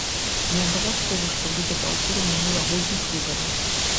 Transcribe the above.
Неабавязкова, што будзе паўтор мінулагодніх выбараў.